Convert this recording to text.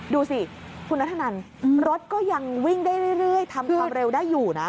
ดูสิคุณนัทธนันรถก็ยังวิ่งได้เรื่อยทำความเร็วได้อยู่นะ